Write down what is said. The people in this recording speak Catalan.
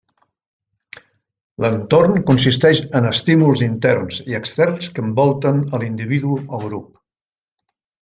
L'entorn consisteix en estímuls interns i externs que envolten a l'individu o grup.